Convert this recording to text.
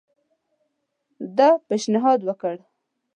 ده پېشنهاد وکړ.